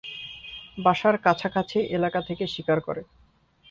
বাসার কাছাকাছি এলাকা থেকে শিকার করে।